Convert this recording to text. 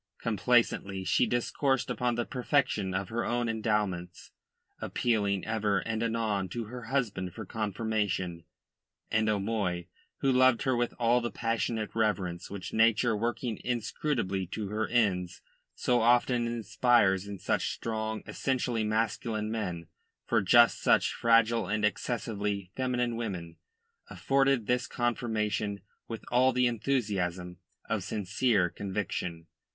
Complacently she discoursed upon the perfection of her own endowments, appealing ever and anon to her husband for confirmation, and O'Moy, who loved her with all the passionate reverence which Nature working inscrutably to her ends so often inspires in just such strong, essentially masculine men for just such fragile and excessively feminine women, afforded this confirmation with all the enthusiasm of sincere conviction.